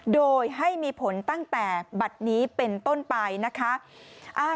โดยให้มีผลตั้งแต่บัตรนี้เป็นต้นไปนะคะ